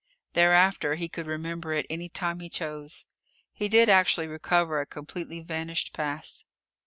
Thereafter he could remember it any time he chose. He did actually recover a completely vanished past.